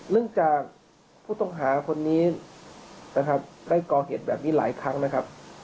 เนื่องจากผู้ต้องหาคนนี้นะครับได้ก่อเหตุแบบนี้หลายครั้งนะครับ